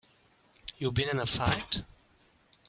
You been in a fight?